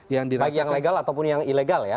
yang baik yang legal ataupun yang ilegal ya